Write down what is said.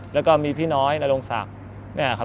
แล้วก็มีพี่น้อยนโรงศักดิ์